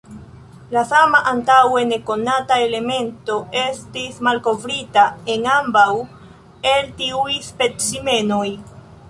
La sama antaŭe nekonata elemento estis malkovrita en ambaŭ el tiuj specimenoj.